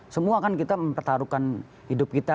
semua kan kita mempertaruhkan hidup kita